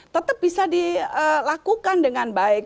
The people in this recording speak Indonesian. tetap bisa dilakukan dengan baik